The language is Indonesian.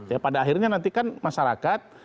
ya pada akhirnya nanti kan masyarakat